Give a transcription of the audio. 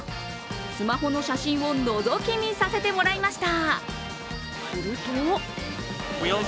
スマホの写真をのぞき見させてもらいました。